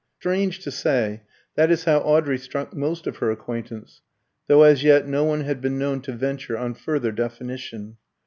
Strange to say, that is how Audrey struck most of her acquaintance, though as yet no one had been known to venture on further definition.